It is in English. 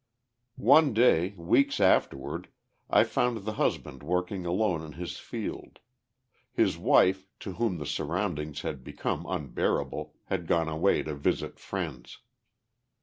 One day, weeks afterward, I found the husband working alone in his field; his wife, to whom the surroundings had become unbearable, had gone away to visit friends.